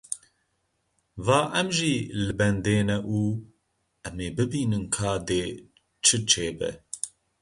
Va em jî li bendê ne û em ê bibînin ka dê çi çêbe.